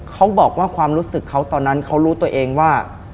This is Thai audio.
เขาบอกว่าความรู้สึกเขาตอนนั้นเขารู้ตัวเองว่า